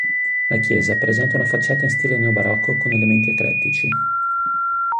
La chiesa presenta una facciata in stile neobarocco con elementi eclettici.